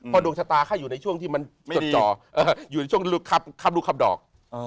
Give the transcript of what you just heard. พอดวงชะตาใครอยู่ในช่วงที่มันจดจ่ออยู่ในช่วงข้ามลูกคับดอก